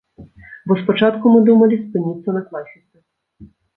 Бо спачатку мы думалі спыніцца на класіцы.